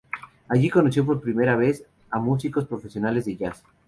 Allí conoció por primera vez a músicos profesionales de Jazz.